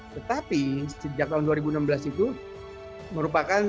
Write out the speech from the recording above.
tetapi sejak tahun dua ribu enam belas itu merupakan